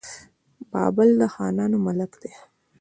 بابل د خانانو ملک دی.